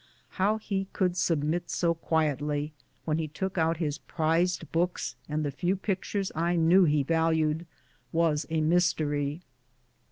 How he could submit so quietly, when he took out his prized books and the few pictures I knew that he valued, was a mystery.